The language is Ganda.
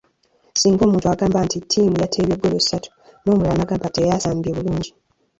Singa omuntu agamba nti “ttiimu yateebye ggoolo ssatu” n’omulala n’agamba nti “teyasambye bulungi”.